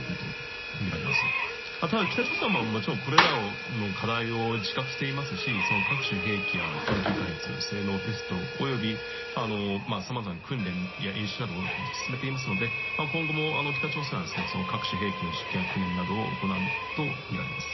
ただ北朝鮮はこれらの課題を自覚していますし各種兵器や研究開発性能テストやさまざまな訓練や演習などを進めていますので今後も北朝鮮は各種兵器の訓練や実験などを行うとみられます。